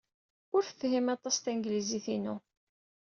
Ur tefhim aṭas tanglizit-inu.